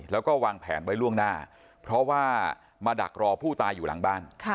แล้วก็วางแผนไว้ล่วงหน้าเพราะว่ามาดักรอผู้ตายอยู่หลังบ้าน